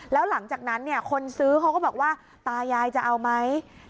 แล้วหลังจากนั้นเนี่ยคนซื้อเขาก็บอกว่าตายายจะเอาไหม